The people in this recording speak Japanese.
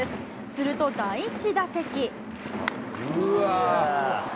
すると第１打席。